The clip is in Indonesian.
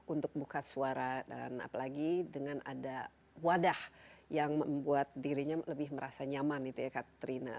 untuk buka suara dan apalagi dengan ada wadah yang membuat dirinya lebih merasa nyaman itu ya katrina